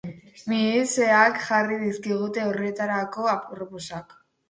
Mihiseak jarri dizkigute horretarako aproposak.